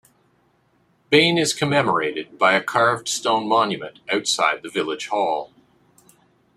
Bain is commemorated by a carved stone monument outside the village hall.